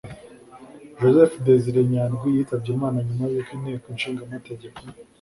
Joseph Désiré Nyandwi yitabye Imana nyuma y’uko Inteko Ishingamategeko